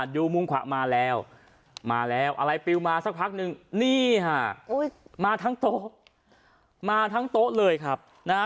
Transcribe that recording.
ดูมุมขวามาแล้วมาแล้วอะไรปิวมาสักพักนึงนี่ฮะมาทั้งโต๊ะมาทั้งโต๊ะเลยครับนะฮะ